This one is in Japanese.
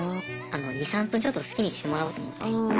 ２３分ちょっと好きにしてもらおうと思って。